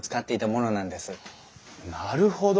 なるほど。